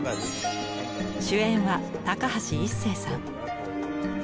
主演は高橋一生さん。